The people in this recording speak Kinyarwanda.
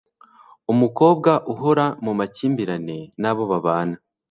Umukobwa uhora mu makimbirane n'abo babana